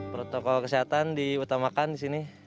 protokol kesehatan diutamakan di sini